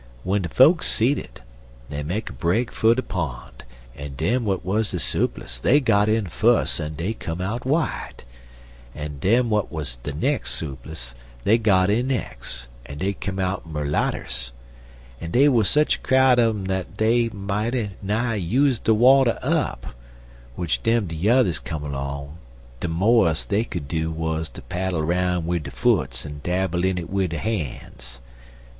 w'en de fokes seed it, dey make a break fer de pon', en dem w'at wuz de soopless, dey got in fus' en dey come out w'ite; en dem w'at wuz de nex' soopless, dey got in nex', en dey come out merlatters; en dey wuz sech a crowd un um dat dey mighty nigh use de water up, w'ich w'en dem yuthers come long, de morest dey could do wuz ter paddle about wid der foots en dabble in it wid der han's.